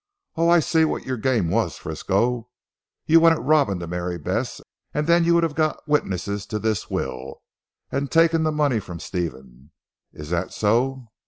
Oh! I see what your game was Frisco. You wanted Robin to marry Bess, and then you would have got witnesses to this will, and taken the money from Stephen. Is that so?"